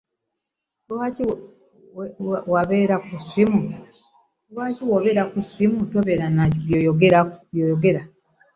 Lwaki wobeera ku simu tobeera na byakogera?